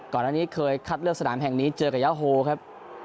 ก่อนอันนี้เคยคัดเลือกสนามแห่งนี้เจอกับยาโฮครับ